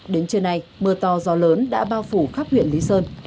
đến trưa nay mưa to gió lớn đã bao phủ khắp huyện lý sơn